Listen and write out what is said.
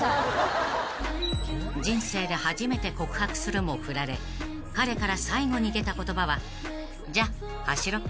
［人生で初めて告白するもフラれ彼から最後に出た言葉は「じゃ、走ろ」］